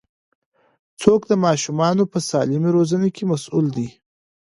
څوک د ماشومانو په سالمې روزنې کې مسوول دي؟